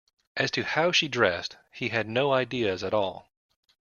As to how she dressed, he had no ideas at all.